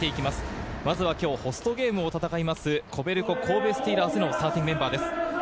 まずは今日ホストゲームを戦います、コベルコ神戸スティーラーズのスターティングメンバーです。